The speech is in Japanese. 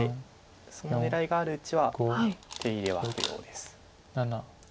その狙いがあるうちは手入れは不要です。